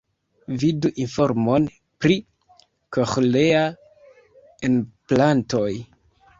Vidu informon pri koĥlea-enplantoj.